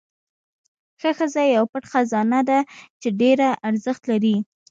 ښه ښځه یو پټ خزانه ده چې ډېره ارزښت لري.